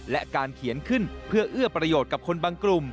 และการเขียนขึ้นเพื่อเอื้อประโยชน์กับคนบางกลุ่ม